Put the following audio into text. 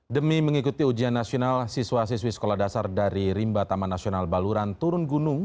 demi mengikuti ujian nasional siswa siswi sekolah dasar dari rimba taman nasional baluran turun gunung